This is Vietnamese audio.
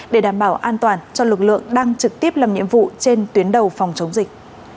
để đảm bảo an toàn cho lực lượng đang trực tiếp làm nhiệm vụ trên tuyến đầu phòng chống dịch